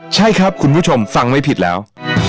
ใช่ครับคุณผู้ชมฟังไม่ผิดแล้ว